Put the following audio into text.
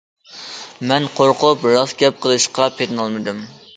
مەن قورقۇپ راست گەپ قىلىشقا پېتىنالمىدىم.